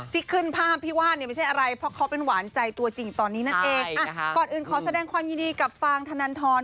ที่ขึ้นภาพพี่ว่าเนี่ยไม่ใช่อะไรเพราะเขาเป็นหวานใจตัวจริงตอนนี้นั่นเองอ่ะก่อนอื่นขอแสดงความยินดีกับฟางธนันทร